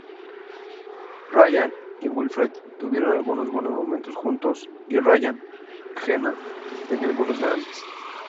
Ryan y Wilfred tuvieron algunos buenos momentos juntos, y Ryan, Jenna tenían algunos grandes.